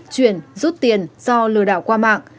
chuyển rút tiền do lừa đảo qua mạng